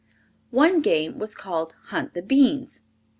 One game was called Hunt the Beans.